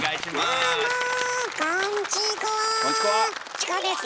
チコです！